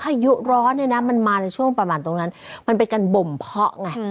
อายุร้อนเนี่ยนะมันมาในช่วงประมาณตรงนั้นมันเป็นการบ่มเพาะไง